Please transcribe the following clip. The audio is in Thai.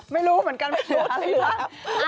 ไม่รู้เหมือนกันไม่เหลืออะ